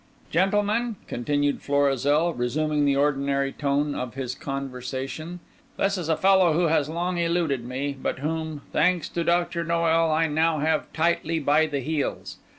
"Gentlemen," continued Florizel, resuming the ordinary tone of his conversation, "this is a fellow who has long eluded me, but whom, thanks to Dr. Noel, I now have tightly by the heels.